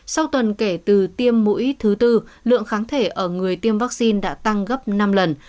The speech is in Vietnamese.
sau tuần kể từ tiêm mũi thứ tư lượng kháng thể ở người tiêm vaccine đã tăng gấp năm lần